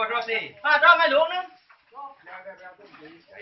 โดยเก่งเท่านี้เลยจริง